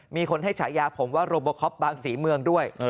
มีคนให้ฉายาผมว่าโรโบคอปบางศรีเมืองด้วย